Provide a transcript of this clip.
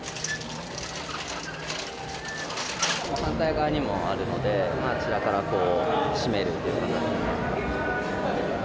反対側にもあるので、あちらからこう、閉めるっていう形。